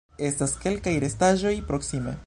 Estas keltaj restaĵoj proksime.